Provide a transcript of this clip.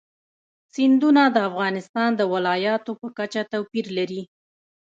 سیندونه د افغانستان د ولایاتو په کچه توپیر لري.